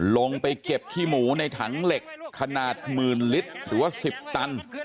ลงไปเก็บขี้หมูในถังเหล็กขนาดหมื่นลิตรหรือว่า๑๐ตัน